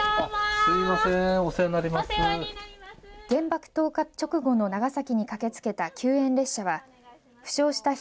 原爆投下直後の長崎に駆けつけた救援列車は負傷した人